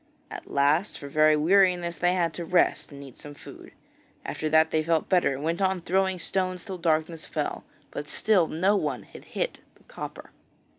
At last for very weariness they had to rest, and eat some food. After that they felt better and went on throwing stones till darkness fell, but still no one had hit the copper.